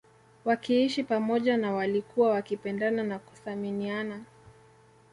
Wakiishi pamoja na walikuwa wakipendana na kuthaminiana